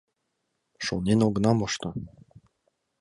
Шонен огына мошто.